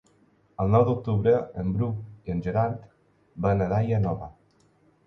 El nou d'octubre en Bru i en Gerard van a Daia Nova.